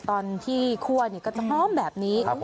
ตอนที่คั่วเนี่ยก็จะพร้อมแบบนี้